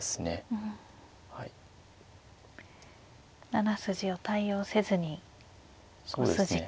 ７筋を対応せずに５筋から。